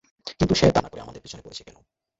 কিন্তু সে তা না করে আমাদের পিছনে পড়েছে কেন?